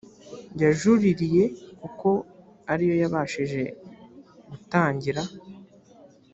yajuririye kuko ariyo yabashije gutangira